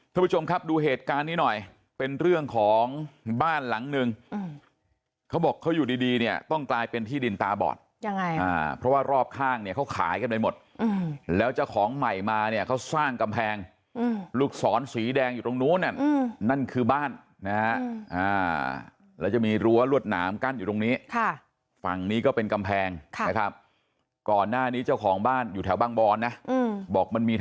ทุกผู้ชมครับดูเหตุการณ์นี้หน่อยเป็นเรื่องของบ้านหลังนึงเขาบอกเขาอยู่ดีดีเนี่ยต้องกลายเป็นที่ดินตาบอดยังไงเพราะว่ารอบข้างเนี่ยเขาขายกันไปหมดแล้วเจ้าของใหม่มาเนี่ยเขาสร้างกำแพงลูกศรสีแดงอยู่ตรงนู้นนั่นคือบ้านนะฮะแล้วจะมีรั้วรวดหนามกั้นอยู่ตรงนี้ค่ะฝั่งนี้ก็เป็นกำแพงค่ะนะครับก่อนหน้านี้เจ้าของบ้านอยู่แถวบางบอนนะบอกมันมีท